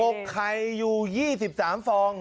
อกไข่อยู่๒๓ฟอง